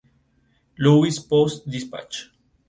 Louis Post Dispatch.